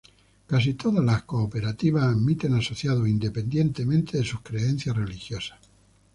Casi todas las cooperativas admiten asociados independientemente de sus creencias religiosas.